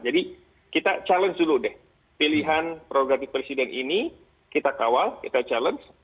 jadi kita challenge dulu deh pilihan prerogatif presiden ini kita kawal kita challenge